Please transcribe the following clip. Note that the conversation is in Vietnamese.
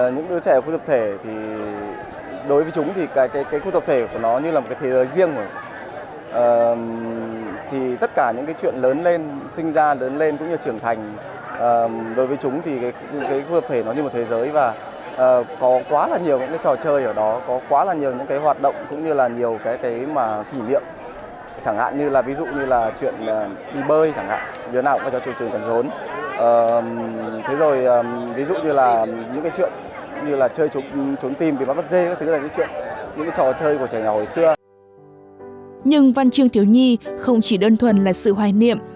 nhưng văn trương thiếu nhi không chỉ đơn thuần là sự hoài niệm